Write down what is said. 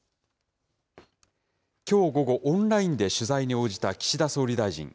きょう午後、オンラインで取材に応じた岸田総理大臣。